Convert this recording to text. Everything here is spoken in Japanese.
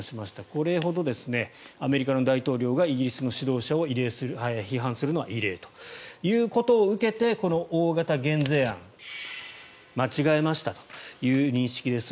これほどアメリカの大統領がイギリスの指導者を批判するのは異例ということを受けてこの大型減税案間違えましたという認識です